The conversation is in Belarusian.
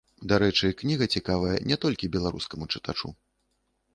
Дарэчы, кніга цікавая не толькі беларускаму чытачу.